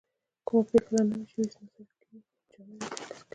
کومه پېښه لا نه وي شوې نظرګي یې جامه ورته سکڼي.